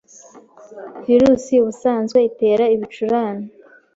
virusi ubusanzwe itera ibicurane